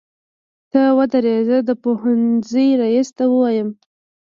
ته ودرې زه د پوهنځۍ ريس ته وويمه.